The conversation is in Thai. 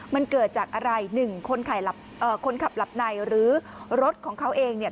มันเกิดจากอะไรหนึ่งคนขับหลับในหรือรถของเขาเองเนี่ย